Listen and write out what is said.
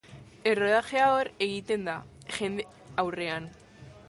Errodajea hor egiten da, jende aurrean.